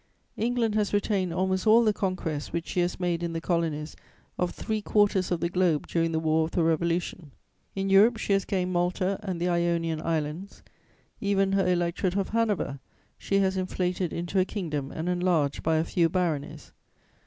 "England has retained almost all the conquests which she has made in the colonies of three quarters of the globe during the War of the Revolution; in Europe she has gained Malta and the Ionian Islands; even her Electorate of Hanover she has inflated into a kingdom and enlarged by a few baronies.